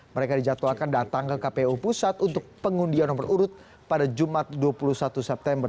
mereka dijadwalkan datang ke kpu pusat untuk pengundian nomor urut pada jumat dua puluh satu september